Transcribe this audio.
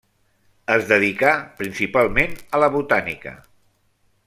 Es dedicà principalment a la botànica.